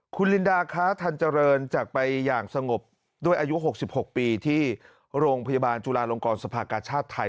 คุณลินดาค้าทันเจริญจากไปอย่างสงบด้วยอายุ๖๖ปีที่โรงพยาบาลจุลาลงกรสภากาชาติไทย